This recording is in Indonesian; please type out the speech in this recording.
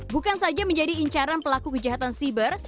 bukan saja menjadi incaran pelaku kejahatan siber